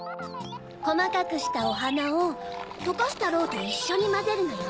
こまかくしたおはなをとかしたロウといっしょにまぜるのよ。